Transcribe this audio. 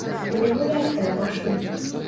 Не гуляць каля машын!